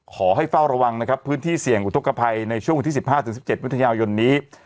เฝ้าระวังนะครับพื้นที่เสี่ยงอุทธกภัยในช่วงวันที่๑๕๑๗วิทยานนี้